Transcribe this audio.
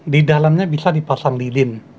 di dalamnya bisa dipasang lilin